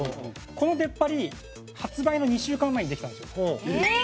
この出っ張り、発売の２週間前にできたんですよ。